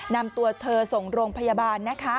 นำตัวเธอส่งโรงพยาบาลนะคะ